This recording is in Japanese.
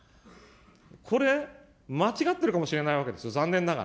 これ、間違ってるかもしれないわけですよ、残念ながら。